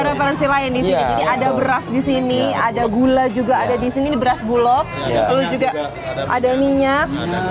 ada referensi lain di sini jadi ada beras di sini ada gula juga ada di sini beras bulog lalu juga ada minyak